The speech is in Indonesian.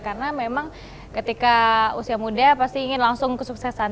karena memang ketika usia muda pasti ingin langsung kesuksesan